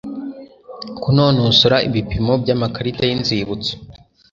Kunonosora ibipimo by amakarita y Inzibutso